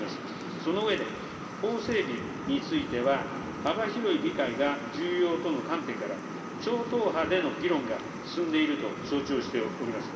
その上で、法整備については、幅広い理解が重要との観点から、超党派での議論が進んでいると承知をしております。